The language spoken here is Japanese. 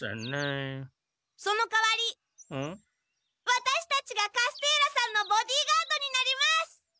ワタシたちがカステーラさんのボディーガードになります！